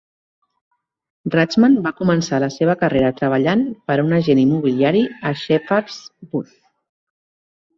Rachman va començar la seva carrera treballant per a un agent immobiliari a Shepherd's Bush.